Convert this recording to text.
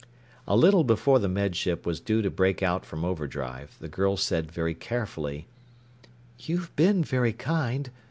A little before the Med Ship was due to break out from overdrive, the girl said very carefully, "You've been very kind.